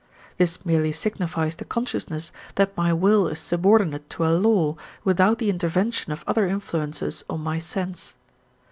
This merely signifies the consciousness that my will is subordinate to a law, without the intervention of other influences on my sense.